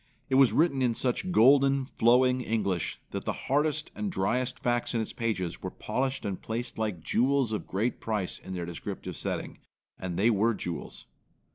It was written in such golden, flowing English that the hardest and driest facts in its pages were polished and placed like jewels of great price in their descriptive setting. And they were jewels.